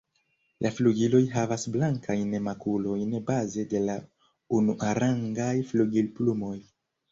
La flugiloj havas blankajn makulojn baze de la unuarangaj flugilplumoj.